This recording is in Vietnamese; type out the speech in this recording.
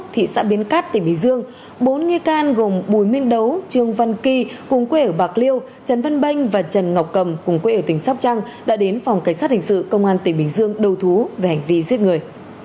thị xã bến cát tỉnh bình dương bốn nghi can gồm bùi minh đấu trương văn kỳ cùng quê ở bạc liêu trần văn banh và trần ngọc cầm cùng quê ở tỉnh sóc trăng đã đến phòng cảnh sát hình sự công an tỉnh bình dương đầu thú về hành vi giết người